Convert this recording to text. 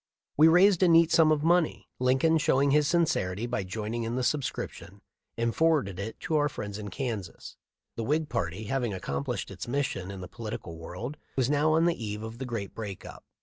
We raised a neat sum of money, Lincoln showing his sincerity by joining in the sub scription, and forwarded it to our friends in Kansas. THE LIFE OF LINCOLX. 38 ]_ The Whig party, having accomplished its mission in the political world, was now on the eve of a great break up.